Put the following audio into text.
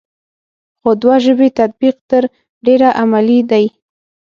خو دوه ژبې تطبیق تر ډېره عملي دی ا